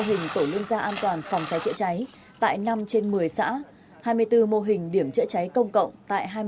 hình tổ liên gia an toàn phòng cháy chữa cháy tại năm trên một mươi xã hai mươi bốn mô hình điểm chữa cháy công cộng tại